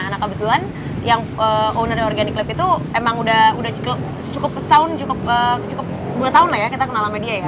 nah kebetulan yang owner organic clip itu emang udah cukup setahun cukup dua tahun lah ya kita kenal sama dia ya